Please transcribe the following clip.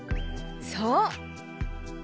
そう。